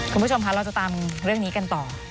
คุณผู้ชมคะเราจะตามเรื่องนี้กันต่อ